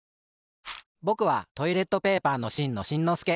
ぼくはトイレットペーパーのしんのしんのすけ。